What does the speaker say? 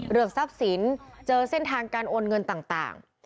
ทรัพย์สินเจอเส้นทางการโอนเงินต่าง